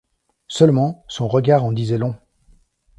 Seulement, son regard en disait long !